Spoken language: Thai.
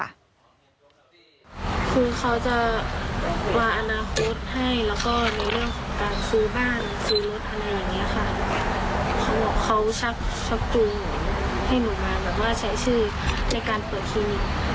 แล้วหนูก็ไม่รู้ด้วยเพราะว่าเรื่องจะเกิดขึ้นอะไรอย่างนี้